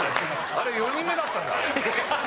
あれ４人目だったんだ。